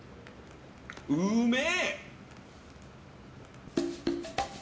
うめえ！